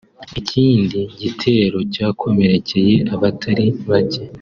ikindi gitero cyakomereke abatari bake